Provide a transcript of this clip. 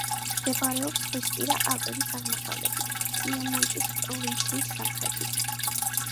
მდებარეობს ზღვისპირა ალპების აღმოსავლეთით, პიემონტის პროვინციის სამხრეთით.